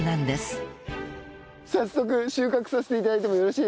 早速収穫させて頂いてもよろしいでしょうか。